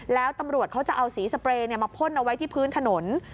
แล้วตำรวจเขาจะเอาสีสเปรย์มาพ่นเอาไว้ที่พื้นถนน